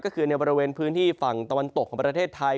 ก็คือในบริเวณพื้นที่ฝั่งตะวันตกของประเทศไทย